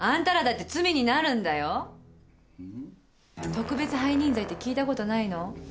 「特別背任罪」って聞いたことないの？